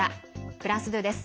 フランス２です。